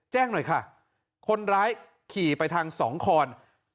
หน่อยค่ะคนร้ายขี่ไปทางสองคอน